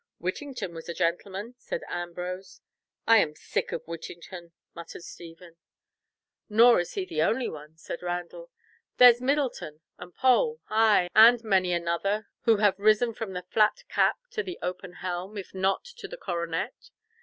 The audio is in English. "Whittington was a gentleman," said Ambrose. "I am sick of Whittington," muttered Stephen. "Nor is he the only one," said Randall; "there's Middleton and Pole—ay, and many another who have risen from the flat cap to the open helm, if not to the coronet.